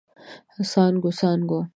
څانګو، څانګو